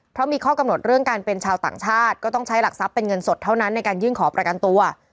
เพราะมีข้อกำหนดเรื่องการเป็นชาวต่างชาติก็ต้องใช้หลักทรัพย์เป็นเงินสดเท่านั้นในการยื่นขอประกันตัว